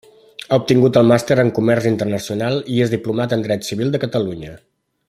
Ha obtingut el màster en Comerç Internacional i és diplomat en dret civil de Catalunya.